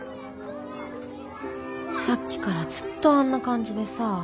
さっきからずっとあんな感じでさ。